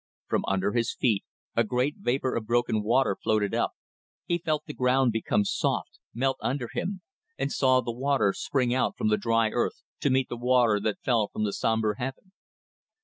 From under his feet a great vapour of broken water floated up, he felt the ground become soft melt under him and saw the water spring out from the dry earth to meet the water that fell from the sombre heaven.